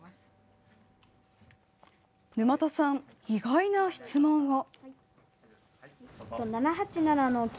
沼田さん、意外な質問を。